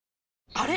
あれ？